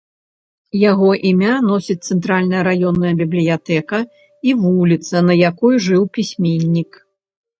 Яго імя носяць цэнтральная раённая бібліятэка і вуліца, на якой жыў пісьменнік.